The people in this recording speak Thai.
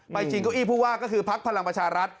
ชิงเก้าอี้ผู้ว่าก็คือพักพลังประชารัฐ